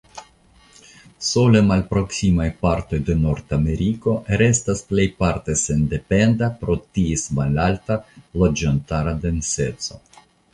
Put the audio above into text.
Sole malproksimaj partoj de Nordameriko restas plejparte sendependa pro ties malalta loĝantara denseco.